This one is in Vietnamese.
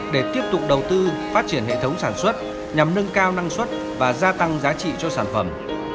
để tiếp tục đầu tư phát triển hệ thống sản xuất nhằm nâng cao năng suất và gia tăng giá trị cho sản phẩm